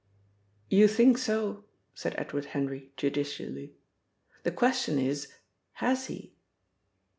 "You think so!" said Edward Henry judicially. "The question is, Has he?"